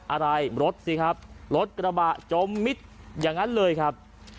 อะไรรถสิครับรถกระบะจมมิดอย่างนั้นเลยครับ